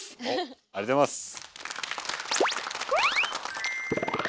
ありがとうございます！